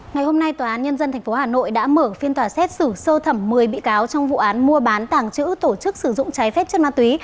ngày hôm nay tòa án nhân dân tp hà nội đã mở phiên tòa xét xử sơ thẩm một mươi bị cáo trong vụ án mua bán tàng trữ tổ chức sử dụng trái phép chất ma túy